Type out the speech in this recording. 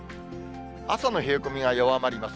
朝の冷え込みが弱まります。